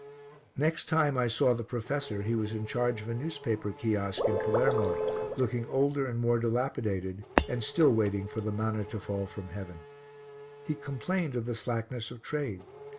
Next time I saw the professor he was in charge of a newspaper kiosk in Palermo, looking older and more dilapidated and still waiting for the manna to fall from heaven. He complained of the slackness of trade.